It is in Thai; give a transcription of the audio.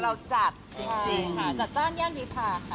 เราจัดจริงค่ะจัดจ้านย่านวิพาค่ะ